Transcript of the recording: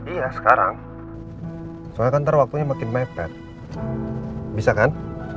iya sekarang soalnya kan ntar waktunya makin mepet bisa kan